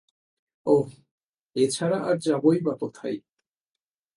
ওহ, এছাড়া আর যাবোই বা কোথায়।